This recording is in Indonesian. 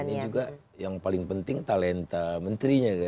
nah ini juga yang paling penting talenta menterinya kan